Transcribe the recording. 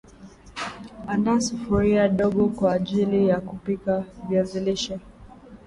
andaa Sufuria dogo kwaajili ya kupikia viazi lishe